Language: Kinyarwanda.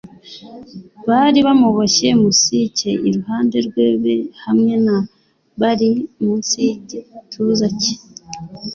Bari bamuboshye musike iruhande rwe pe hamwe na barri munsi yigituza cye!